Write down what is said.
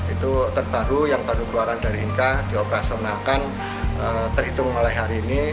itu terbaru yang baru keluaran dari inka dioperasionalkan terhitung mulai hari ini